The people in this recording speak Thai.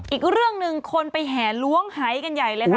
อีกเรื่องหนึ่งคนไปแห่ล้วงหายกันใหญ่เลยค่ะ